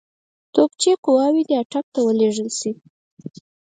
توپچي قواوې دي اټک ته ولېږل شي.